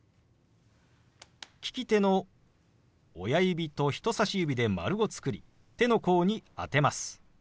利き手の親指と人さし指で丸を作り手の甲に当てます。